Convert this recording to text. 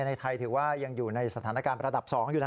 ในไทยถือว่ายังอยู่ในสถานการณ์ระดับ๒อยู่แล้ว